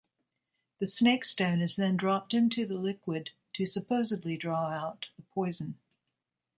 The snake-stone is then dropped into the liquid to supposedly draw out the poison.